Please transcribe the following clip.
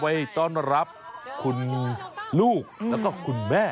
ไปต้อนรับคุณลูกแล้วก็คุณแม่